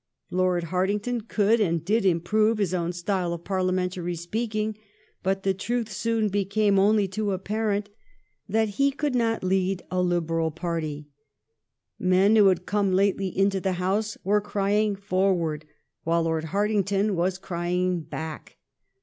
Lord Hartington could and did improve his own style of Parliamentary speaking, but the truth soon be came only too apparent that he could not lead GLADSTONE IN RETIREMENT 319 a Liberal party. Men who had come lately into the House were crying " Forward !" while Lord Hartington was crying " Back